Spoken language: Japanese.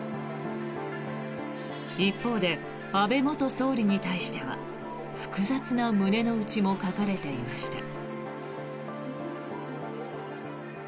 一方で安倍元総理に対しては複雑な胸の内も書かれていました。